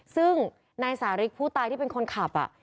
ซึ่งนายสาริกผู้ตายที่เป็นคนขับ